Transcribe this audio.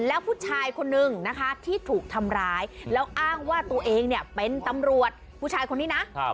แล้วผู้ชายคนนึงนะคะที่ถูกทำร้ายแล้วอ้างว่าตัวเองเนี่ยเป็นตำรวจผู้ชายคนนี้นะ